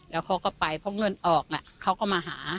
แล้วเขาก็ไปเพราะเงินออกเขาก็มาหา